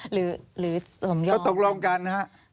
หรือส่งยอมเขาตกลงกันนะครับ